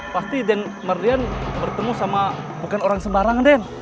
pasti den mardian bertemu sama bukan orang sebarang den